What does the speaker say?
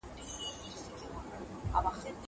ته ولي قلمان پاکوې؟